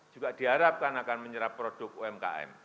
juga diharapkan akan menyerap produk umkm